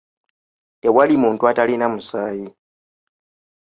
Tewali muntu atalina musaayi.